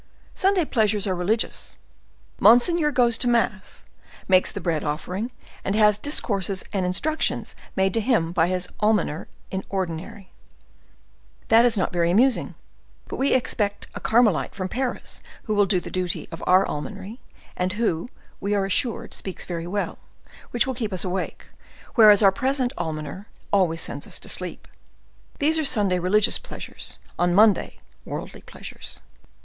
"Sunday pleasures are religious: monseigneur goes to mass, makes the bread offering, and has discourses and instructions made to him by his almoner in ordinary. That is not very amusing, but we expect a Carmelite from Paris who will do the duty of our almonry, and who, we are assured, speaks very well, which will keep us awake, whereas our present almoner always sends us to sleep. These are Sunday religious pleasures. On Monday, worldly pleasures."